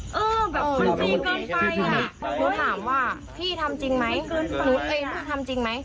เออแบบความจริงก่อนไปอ่ะหนูถามว่าพี่ทำจริงไหมเอ้ยนูทำจริงไหม